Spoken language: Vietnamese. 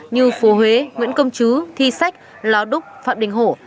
như phố huế nguyễn công chứ thi sách lào đúc phạm đình hổ